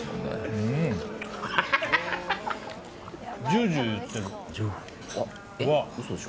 ジュウジュウいってる。